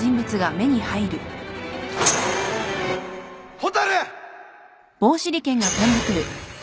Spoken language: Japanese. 蛍！